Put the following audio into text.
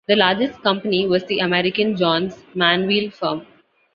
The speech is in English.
The largest company was the American Johns-Manville firm.